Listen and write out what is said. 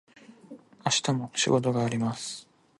明日も仕事があります。